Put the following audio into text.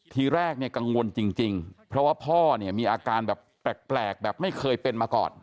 ทีแรกเนี่ยกังวลจริงเพราะว่าพ่อเนี่ยมีอาการแบบแปลกแบบไม่เคยเป็นมาก่อน